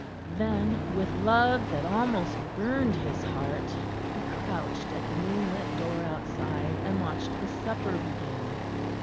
Then, with love that almost burned his heart, he crouched at the moonlit door outside and watched the Supper begin.